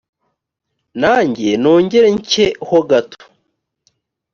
nanjye nongere ncye ho gato